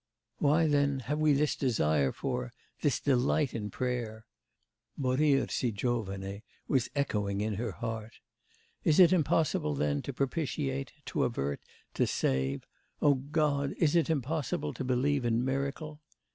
Why, then, have we this desire for, this delight in prayer?' (Morir si giovane was echoing in her heart.)... 'Is it impossible, then, to propitiate, to avert, to save... O God! is it impossible to believe in miracle?